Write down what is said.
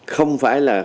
không phải là